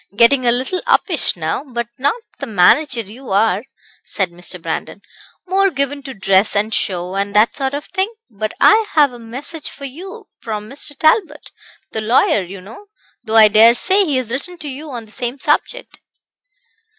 Getting a little uppish now; but not the manager you are," said Mr. Brandon. "More given to dress and show, and that sort of thing. But I have a message for you from Mr. Talbot, the lawyer, you know, though I dare say he has written to you on the same subject."